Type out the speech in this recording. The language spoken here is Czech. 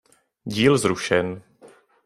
Díl zrušen